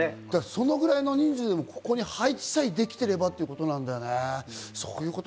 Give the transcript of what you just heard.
そのぐらいの人数でも配置さえできてればということなんだね。